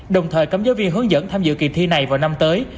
đồng thời cấm giáo viên hướng dẫn tham dự kỳ thi này vào năm tới